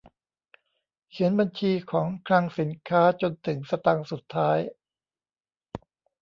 เขียนบัญชีของคลังสินค้าจนถึงสตางค์สุดท้าย